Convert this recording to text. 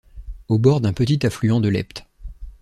Au bord d'un petit affluent de l'Epte.